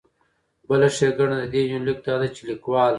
بله ښېګنه د دې يونليک دا ده چې ليکوال